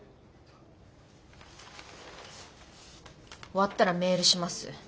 終わったらメールします。